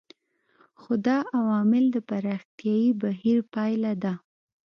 خو دا عوامل د پراختیايي بهیر پایله ده.